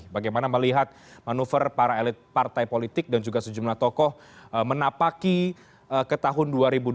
bagaimana melihat manuver para elit partai politik dan juga sejumlah tokoh menapaki ke tahun dua ribu dua puluh